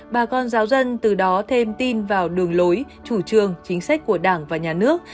bà con giáo dân từ đó thêm tin vào đường lối chủ trương chính sách của đảng và nhà nước